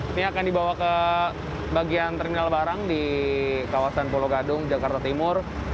ini akan dibawa ke bagian terminal barang di kawasan pulau gadung jakarta timur